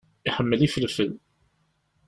Iḥemmel ifelfel.